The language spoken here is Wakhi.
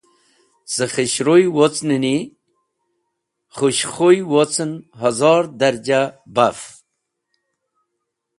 Cẽ k̃hẽshruy wocnẽni khesh khuy wocẽn hozor dẽrja baf.